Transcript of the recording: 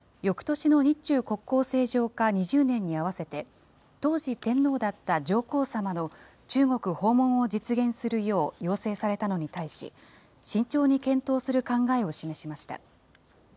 Ｇ７・主要７か国の首脳として初めて中国を訪問し、李鵬首相からよくとしの日中国交正常化２０年に合わせて、当時、天皇だった上皇さまの中国訪問を実現するよう要請されたのに対し、慎重に検討する考えを示しました。